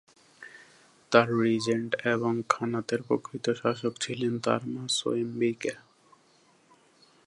তার রিজেন্ট এবং খানাতের প্রকৃত শাসক ছিলেন তার মা সোয়েম্বিকা।